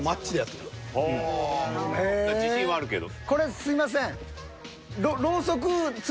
これすいません。